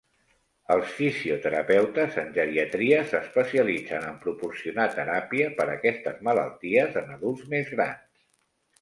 Els fisioterapeutes en geriatria s'especialitzen en proporcionar teràpia per aquestes malalties en adults més grans.